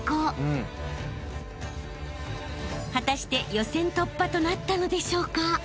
［果たして予選突破となったのでしょうか］